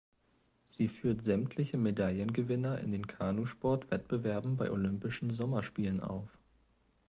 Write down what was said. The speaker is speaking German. Sie führt sämtliche Medaillengewinner in den Kanusport-Wettbewerben bei Olympischen Sommerspielen auf.